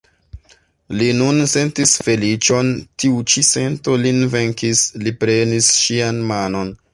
Li nun sentis feliĉon, tiu ĉi sento lin venkis, li prenis ŝian manon.